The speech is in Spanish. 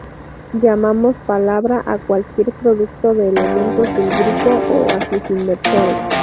Llamamos palabra a cualquier producto de elementos del grupo o de sus inversos.